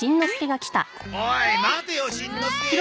おい待てよしんのすけ。